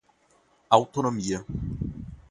autonomia